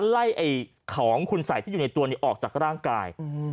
ไล่ของคุณสัยที่อยู่ในตัวนี้ออกจากร่างกาย